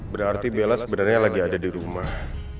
berarti bella sebenarnya lagi ada di rumah